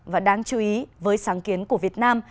và đáng chú ý với sáng kiến của việt nam